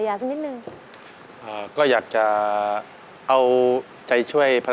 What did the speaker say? วันนี้มาเป็น